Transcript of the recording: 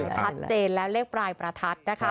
ชัดเจนแล้วเลขปลายประทัดนะคะ